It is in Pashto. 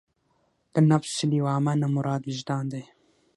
له نفس لوامه نه مراد وجدان دی.